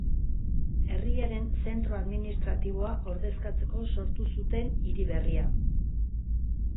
Herriaren zentro administratiboa ordezkatzeko sortu zuten hiri berria.